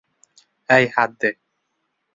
এই হাত দে।